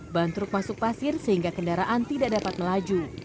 ban truk masuk pasir sehingga kendaraan tidak dapat melaju